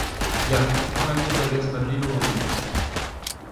Ya, c’hoant am eus da gas ma belo ganin.